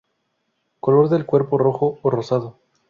Color del cuerpo rojo o rosado.